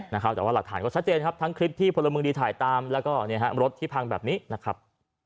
แต่ว่าหลักฐานก็ชัดเจนครับทั้งคลิปที่พลเมืองดีถ่ายตามแล้วก็รถที่พังแบบนี้นะครับ